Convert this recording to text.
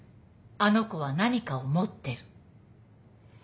あの子は何かを持ってる。